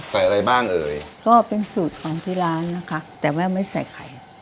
อะไรบ้างเอ่ยก็เป็นสูตรของที่ร้านนะคะแต่ว่าไม่ใส่ไข่